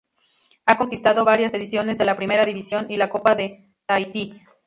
Ha conquistado varias ediciones de la Primera División y la Copa de Tahití.